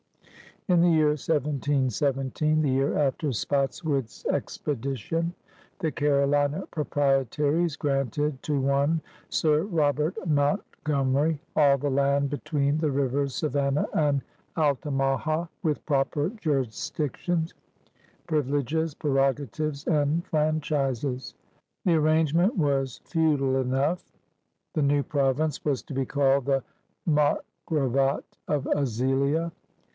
In the year 1717 — the year after Spotswood's Expedition — the Carolina Proprietaries granted to one Sir Robert Mountgomery all the land be tween the rivers Savannah and Altamaha, "with proper jurisdictions, privil^es, prerogatives, and franchises. The arrangement was feudal enough. The new province was to be called the Margravate of Azilia.